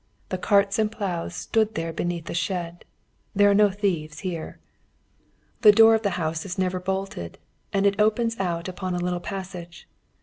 The carts and ploughs stood there beneath a shed. There are no thieves here. The door of the house is never bolted, and it opens out upon a little passage.